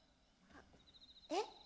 えっ？